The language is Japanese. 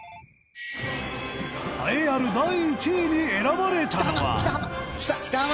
栄えある第１位に選ばれたのは田中：北浜！